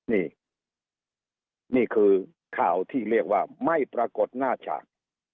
นี่นี่คือข่าวที่เรียกว่าไม่ปรากฏหน้าฉาก